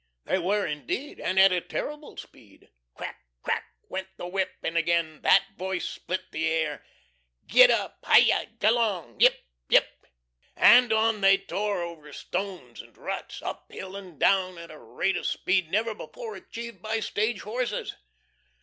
They were indeed, and at a terrible speed. Crack, crack! went the whip, and again "that voice" split the air. "Git up! Hi yi! G'long! Yip yip!" And on they tore over stones and ruts, up hill and down, at a rate of speed never before achieved by stage horses.